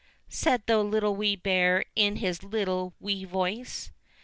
said the Little Wee Bear in his little wee voice.